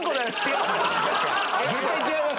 絶対違いますよ。